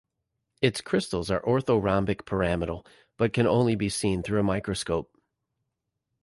Its crystals are orthorhombic pyramidal, but can only be seen through a microscope.